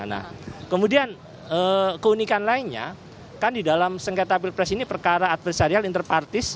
nah kemudian keunikan lainnya kan di dalam sengketa pilpres ini perkara adversarial interpartis